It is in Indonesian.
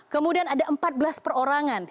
kemudian ada empat belas perorangan